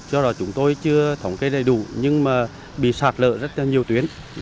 do đó chúng tôi chưa thống kế đầy đủ nhưng mà bị sạt lợi rất là nhiều tuyến